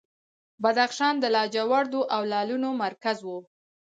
بدخشان د لاجوردو او لعلونو مرکز و